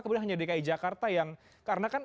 kemudian hanya dki jakarta yang karena kan